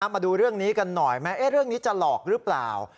มาดูเรื่องนี้กันหน่อยไหมเรื่องนี้จะหลอกหรือเปล่า